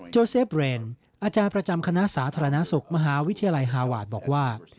เซฟเรนอาจารย์ประจำคณะสาธารณสุขมหาวิทยาลัยฮาวาสบอกว่า